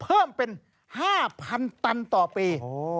เพิ่มเป็น๕๐๐๐ตันต่อปี